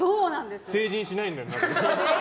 成人しないんだ。